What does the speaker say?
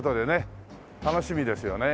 楽しみですよね。